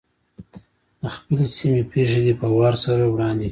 د خپلې سیمې پېښې دې په وار سره وړاندي کړي.